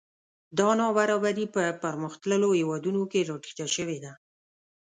دا نابرابري په پرمختللو هېوادونو کې راټیټه شوې ده